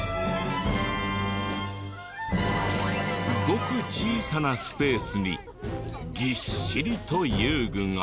ごく小さなスペースにぎっしりと遊具が。